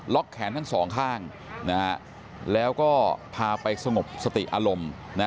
แขนทั้งสองข้างแล้วก็พาไปสงบสติอารมณ์